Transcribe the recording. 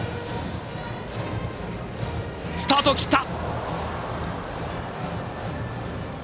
スタートを切った。